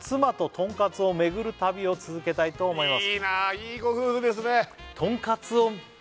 「とんかつを巡る旅を続けたいと思います」